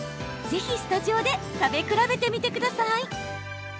是非スタジオで食べ比べてみてください。